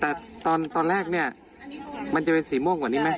แต่ตอนแรกเนี่ยมันจะเป็นสีม่วงกว่านี้ไหม